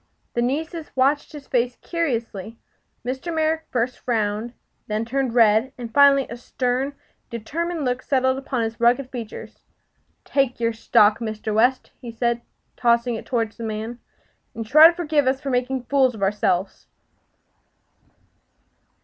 The nieces watched his face curiously. Mr. Merrick first frowned, then turned red, and finally a stern, determined look settled upon his rugged features. "Take your stock, Mr. West," he said, tossing it toward the man; "and try to forgive us for making fools of ourselves!"